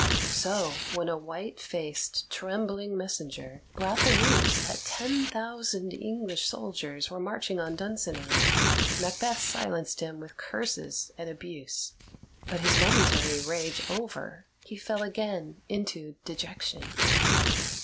'" So, when a white faced, trembling messenger brought the news that ten thousand English soldiers were marching on Dunsinane, Macbeth silenced him with curses and abuse. But his momentary rage over, he fell again into dejection.